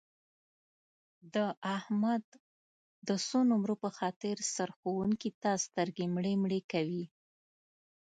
د احمد د څو نمرو په خاطر سرښوونکي ته سترګې مړې مړې کوي.